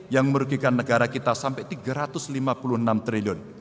yang merugikan negara kita sampai rp tiga ratus lima puluh enam triliun